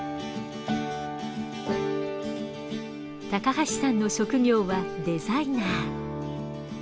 橋さんの職業はデザイナー。